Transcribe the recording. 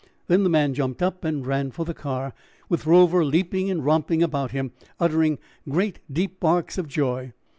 Then the man jumped up and ran for the car, with Rover leaping and romping about him, uttering great deep barks of joy.